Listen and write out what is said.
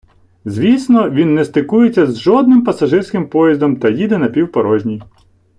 Звісно, він не стикується з жодним пасажирським поїздом та їде напівпорожній.